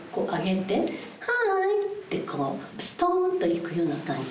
「はぁい」ってこうストンといくような感じ。